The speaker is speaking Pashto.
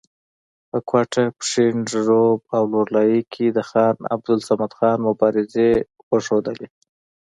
په کوټه، پښین، ژوب او لور لایي کې د خان عبدالصمد خان مبارزې وښودلې.